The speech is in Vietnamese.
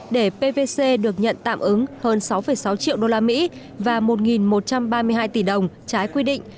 để pvc được nhận tạm ứng hơn sáu sáu triệu usd và một một trăm ba mươi hai tỷ đồng trái quy định